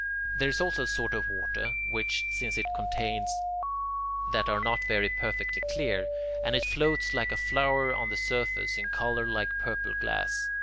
There is also a sort of water which, since it contains... that are not perfectly clear, and it floats like a flower on the surface, in colour like purple glass.